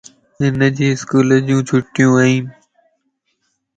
ھنجي اسڪولَ جون چھٽيون وَن